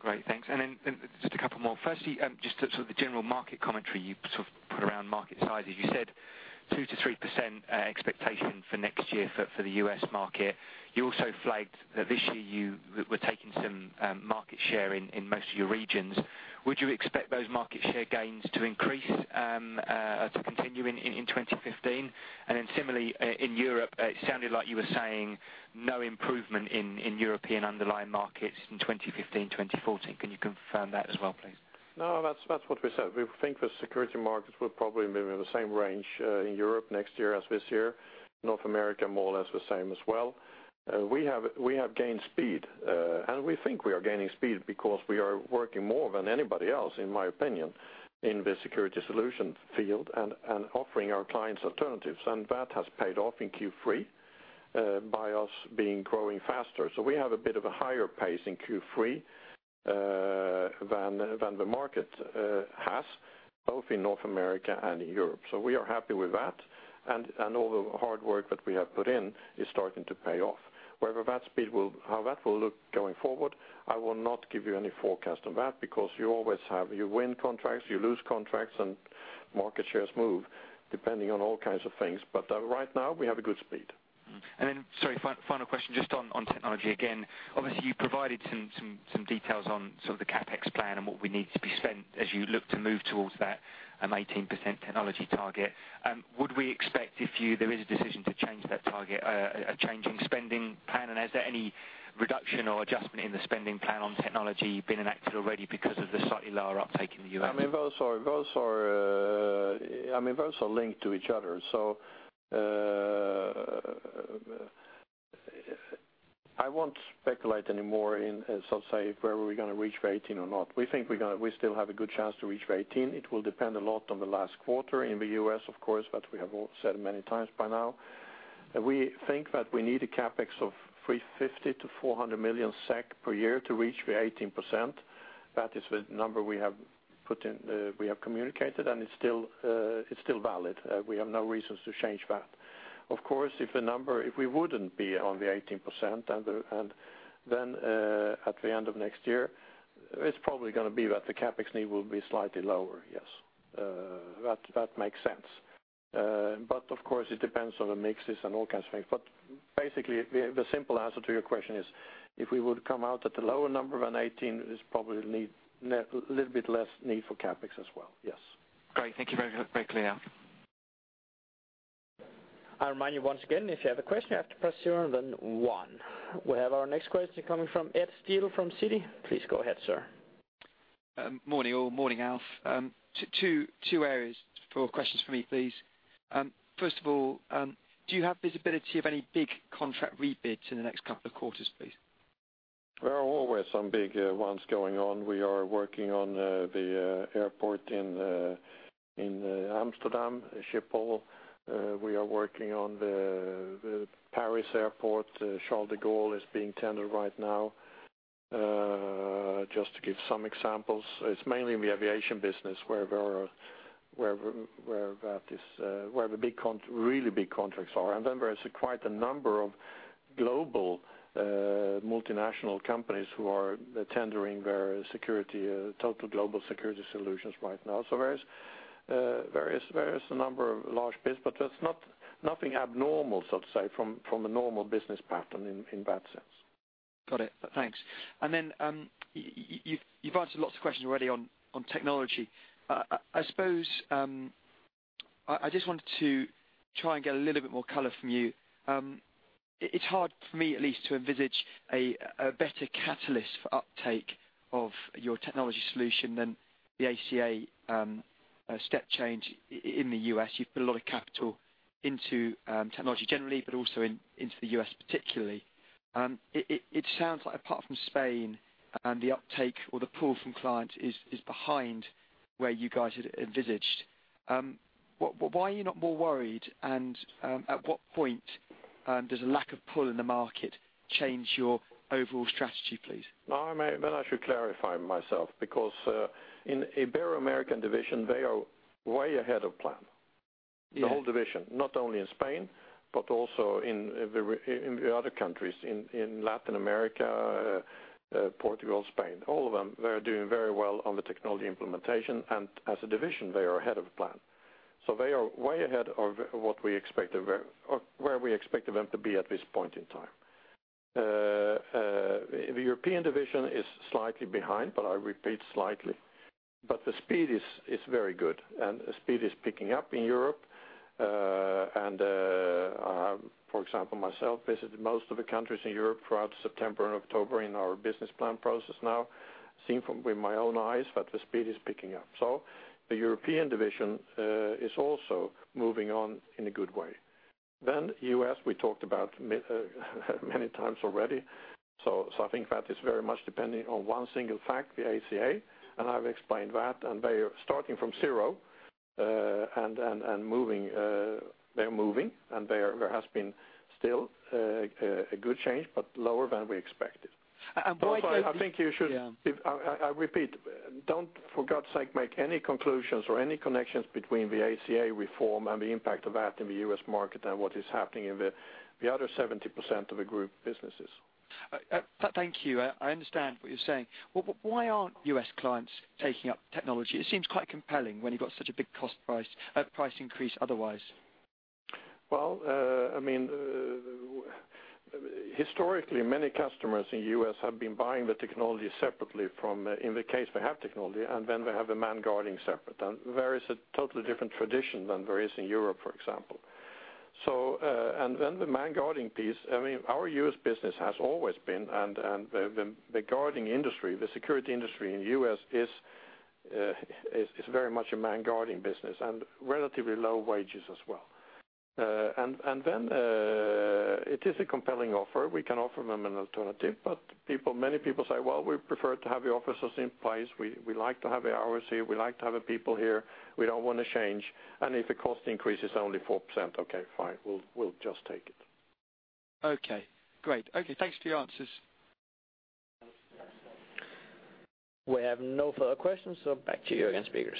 S11: Great, thanks. Then just a couple more. Firstly, just so the general market commentary you sort of put around market size, as you said, 2%-3% expectation for next year for the U.S. market. You also flagged that this year you were taking some market share in most of your regions. Would you expect those market share gains to increase to continue in 2015? And then similarly in Europe, it sounded like you were saying no improvement in European underlying markets in 2015, 2014. Can you confirm that as well, please?
S1: No, that's, that's what we said. We think the security markets will probably be in the same range, in Europe next year as this year. North America, more or less the same as well. We have, we have gained speed, and we think we are gaining speed because we are working more than anybody else, in my opinion, in the security solution field and, and offering our clients alternatives, and that has paid off in Q3, by us being growing faster. So we have a bit of a higher pace in Q3, than, than the market, has, both in North America and in Europe. So we are happy with that. And, and all the hard work that we have put in is starting to pay off. Whether that speed will, how that will look going forward, I will not give you any forecast on that, because you always have, you win contracts, you lose contracts, and market shares move depending on all kinds of things. But right now, we have a good speed.
S11: Sorry, final question, just on technology again. Obviously, you provided some, some, some details on some of the CapEx plan and what we need to be spent as you look to move towards that 18% technology target. Would we expect if there is a decision to change that target a changing spending plan? And is there any reduction or adjustment in the spending plan on technology being enacted already because of the slightly lower uptake in the U.S.?
S1: I mean, those are linked to each other. So, I won't speculate anymore in, as I'll say, where we're gonna reach for eighteen or not. We think we're gonna—we still have a good chance to reach for 18. It will depend a lot on the last quarter in the U.S., of course, but we have all said it many times by now. We think that we need a CapEx of 350 million-400 million SEK per year to reach the 18%. That is the number we have put in, we have communicated, and it's still valid. We have no reasons to change that. Of course, if the number... If we wouldn't be on the 18%, and then at the end of next year, it's probably gonna be that the CapEx need will be slightly lower, yes. That makes sense. But of course, it depends on the mixes and all kinds of things. But basically, the simple answer to your question is, if we would come out at a lower number than 18, it's probably need net, a little bit less need for CapEx as well. Yes.
S11: Great. Thank you very, very clear.
S2: I remind you once again, if you have a question, you have to press zero, then one. We have our next question coming from Ed Steele, from Citi. Please go ahead, sir.
S12: Morning, all. Morning, Alf. Two areas for questions for me, please. First of all, do you have visibility of any big contract rebids in the next couple of quarters, please?
S1: There are always some big ones going on. We are working on the airport in Amsterdam, Schiphol. We are working on the Paris airport. Charles de Gaulle is being tendered right now, just to give some examples. It's mainly in the aviation business where there are, where that is, where the big con- really big contracts are. And then there is quite a number of global multinational companies who are tendering their security total global security solutions right now. So there is various number of large bids, but that's not nothing abnormal, so to say, from a normal business pattern in that sense.
S12: Got it. Thanks. And then, you've answered lots of questions already on technology. I suppose I just wanted to try and get a little bit more color from you. It's hard for me at least to envisage a better catalyst for uptake of your technology solution than the ACA, step change in the U.S. You've put a lot of capital into technology generally, but also into the U.S., particularly. It sounds like apart from Spain, the uptake or the pull from clients is behind where you guys had envisaged. Why are you not more worried, and at what point does a lack of pull in the market change your overall strategy, please?
S1: No, I mean, then I should clarify myself, because in Ibero-American division, they are way ahead of plan.
S12: Yeah.
S1: The whole division, not only in Spain, but also in the other countries in Latin America, Portugal, Spain, all of them, they are doing very well on the technology implementation, and as a division, they are ahead of plan. So they are way ahead of what we expected, or where we expected them to be at this point in time. The European division is slightly behind, but I repeat, slightly. But the speed is very good, and the speed is picking up in Europe. And, for example, myself visited most of the countries in Europe throughout September and October in our business plan process now, seeing with my own eyes that the speed is picking up. So the European division is also moving on in a good way. U.S., we talked about many times already, so I think that is very much depending on one single fact, the ACA, and I've explained that. They are starting from zero, and moving, they're moving, and there has been still a good change, but lower than we expected.
S12: And why-
S1: I think you should-
S12: Yeah.
S1: I repeat, don't, for God's sake, make any conclusions or any connections between the ACA reform and the impact of that in the U.S. market and what is happening in the other 70% of the group businesses.
S12: Thank you. I understand what you're saying. But why aren't U.S. clients taking up technology? It seems quite compelling when you've got such a big cost price, price increase otherwise.
S1: Well, I mean, historically, many customers in U.S. have been buying the technology separately from, in the case they have technology, and then they have the manned guarding separate. And there is a totally different tradition than there is in Europe, for example. So, and then the manned guarding piece, I mean, our U.S. business has always been, and the guarding industry, the security industry in the U.S. is very much a manned guarding business and relatively low wages as well. And then, it is a compelling offer. We can offer them an alternative, but people, many people say, "Well, we prefer to have the officers in place. We like to have the officers here. We like to have the people here. We don't wanna change, and if the cost increase is only 4%, okay, fine, we'll, we'll just take it.
S12: Okay, great. Okay, thanks for your answers.
S2: We have no further questions, so back to you again, speakers.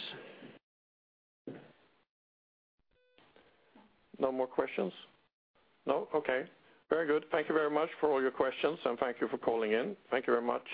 S1: No more questions? No. Okay. Very good. Thank you very much for all your questions, and thank you for calling in. Thank you very much.